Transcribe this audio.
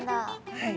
はい。